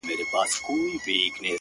هغه زما تيارې کوټې ته څه رڼا ورکوي _